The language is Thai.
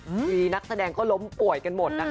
มีนักแสดงล้มป่วยกันหมด